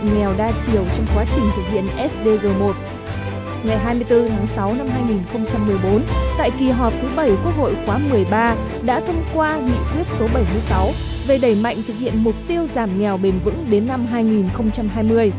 ngày hai mươi bốn tháng sáu năm hai nghìn một mươi bốn tại kỳ họp thứ bảy quốc hội khóa một mươi ba đã thông qua nghị quyết số bảy mươi sáu về đẩy mạnh thực hiện mục tiêu giảm nghèo bền vững đến năm hai nghìn hai mươi